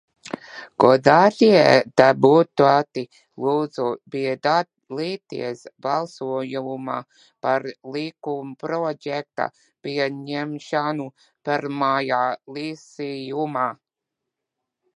Godātie deputāti, lūdzu piedalīties balsojumā par likumprojekta pieņemšanu pirmajā lasījumā!